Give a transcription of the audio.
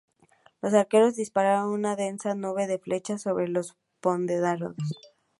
Los arqueros dispararon una densa nube de flechas sobre los confederados.